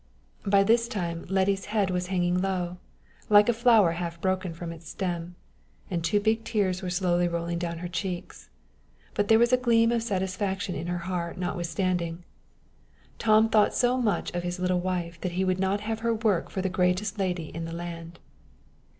By this time Letty's head was hanging low, like a flower half broken from its stem, and two big tears were slowly rolling down her cheeks. But there was a gleam of satisfaction in her heart notwithstanding. Tom thought so much of his little wife that he would not have her work for the greatest lady in the land!